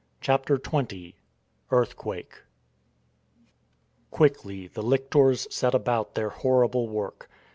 XX EARTHQUAKE QUICKLY the lictors set about their horrible work.